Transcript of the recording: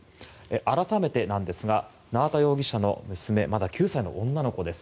改めてですが、縄田容疑者の娘まだ９歳の女の子です。